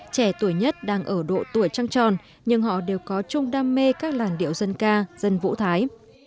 trẻ tuổi nhất đang ở độ tuổi trăng tròn nhưng họ đều có chung đam mê các làn điệu dân ca dân vũ thái